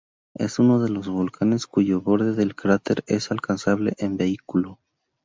Es uno de los volcanes cuyo borde del cráter es alcanzable en vehículo.